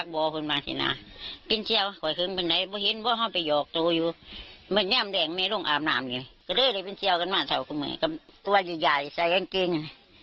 ก็เลยเลยเป็นเจียวกันมาเถอะคุณหมายก็ตัวใหญ่ใส่กางเกง